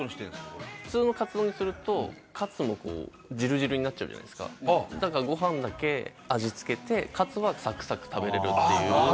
これ普通のカツ丼にするとカツもこうじるじるになっちゃうじゃないですかだからご飯だけ味つけてカツはサクサク食べれるっていうあ